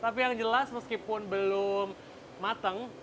tapi yang jelas meskipun belum matang